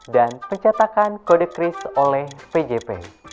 dan pencatakan kode kris oleh pjp